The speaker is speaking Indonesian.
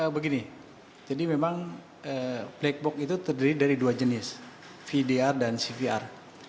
begini jadi memang black box itu terdiri dari dua jenis vdr dan cvr